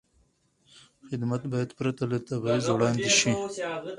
خدمت باید پرته له تبعیض وړاندې شي.